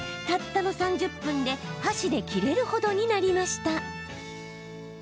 たったの３０分で箸で切れるほどになりました。